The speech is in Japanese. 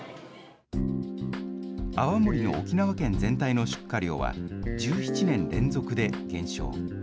泡盛の沖縄県全体の出荷量は１７年連続で減少。